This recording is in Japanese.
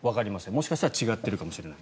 もしかしたら違っているかもしれない。